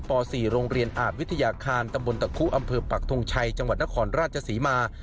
ป๔โรงเรียนอาจวิทยาคารตำบลตะคุอำเภอปักทงชัยจังหวัดนครราชศรีมา